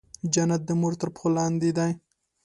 جنت د مور تر پښو لاندې دی.